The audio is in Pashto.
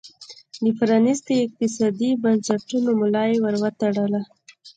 د پرانیستو اقتصادي بنسټونو ملا یې ور وتړله.